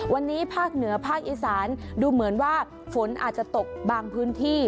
วันนี้ภาคเหนือภาคอีสานดูเหมือนว่าฝนอาจจะตกบางพื้นที่